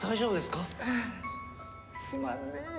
すまんねえ。